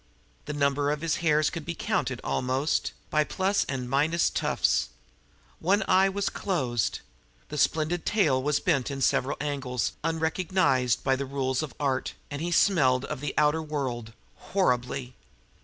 The number of his hairs could be counted, almost, by plus and minus tufts; one eye was closed; his splendid tail was bent in several angles unrecognized by the rules of art, and he smelled of the outer world horribly.